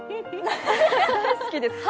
大好きです。